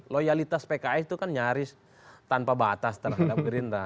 loyalitas pks itu kan nyaris tanpa batas terhadap gerindra